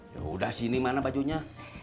yaudah sini mana bajunya